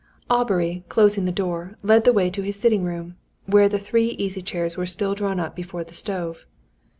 Aubrey, closing the door, led the way to his sitting room, where the three easy chairs were still drawn up before the stove.